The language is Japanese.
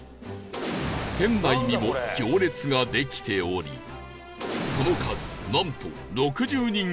店内にも行列ができておりその数なんと６０人以上！